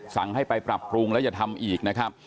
สั่งให้ไปปรับปรุงแล้วอย่าทำอีกนะครับ